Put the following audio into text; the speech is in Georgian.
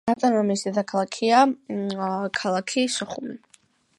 ავტონომიის დედაქალაქია ქალაქი სოხუმი.